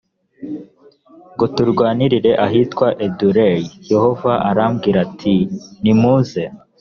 ngo turwanire ahitwa edureyi yehova arambwira ati nimuze